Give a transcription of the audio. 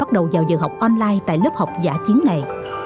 bắt đầu vào giờ học online tại lớp học giả chiến này